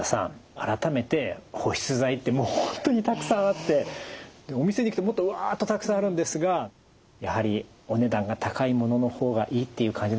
改めて保湿剤ってもう本当にたくさんあってお店に行くともっとわっとたくさんあるんですがやはりお値段が高いものの方がいいっていう感じなんですかね。